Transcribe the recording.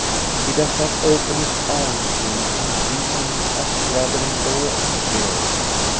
He does not open his arms to him and greet him as brother in law and hero.